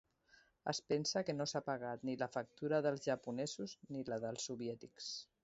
Es pensa que no s'ha pagat ni la factura dels japonesos ni la dels soviètics.